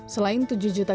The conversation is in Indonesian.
selain tujuh juta daerah